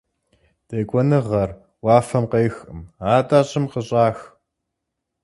Текӏуэныгъэр уафэм къехкъым, атӏэ щӏым къыщӏах.